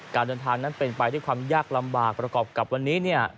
การเดินทางนั้นเป็นไปด้วยความยากลำบากประกอบกับวันนี้เนี่ย